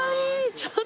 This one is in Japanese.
ちょっと。